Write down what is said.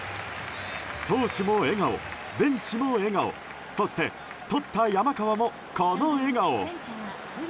投手も笑顔、ベンチも笑顔そして、とった山川もこの笑顔。